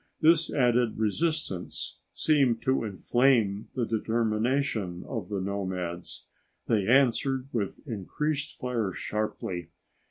This added resistance seemed to inflame the determination of the nomads. They answered the increased fire sharply.